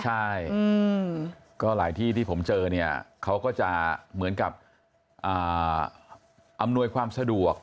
ใช่ก็หลายที่ที่ผมเจอเนี่ยเขาก็จะเหมือนกับอำนวยความสะดวก